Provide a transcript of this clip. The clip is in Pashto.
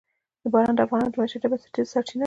باران د افغانانو د معیشت یوه بنسټیزه سرچینه ده.